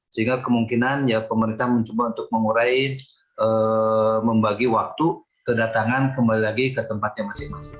sehingga kemungkinan pemerintah mencoba untuk mengurai membagi waktu kedatangan kembali lagi ke tempat yang masih